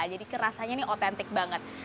jadi rasanya ini otentik banget